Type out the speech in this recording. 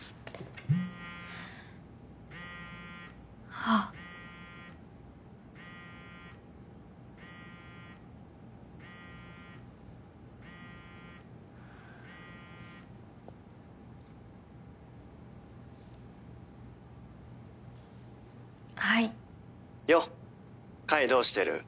あっはい☎よっ海どうしてる？